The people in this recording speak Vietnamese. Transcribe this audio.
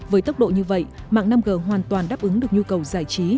với tốc độ như vậy mạng năm g hoàn toàn đáp ứng được nhu cầu giải trí